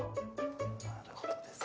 なるほどですね。